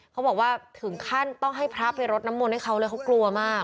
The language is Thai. เขาบอกว่าถึงขั้นต้องให้พระไปรดน้ำมนต์ให้เขาเลยเขากลัวมาก